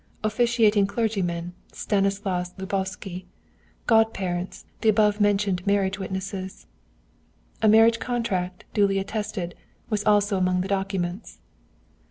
Officiating clergyman: Stanislaus Lubousky. Godparents: the above mentioned marriage witnesses.' "A marriage contract, duly attested, was also among the documents."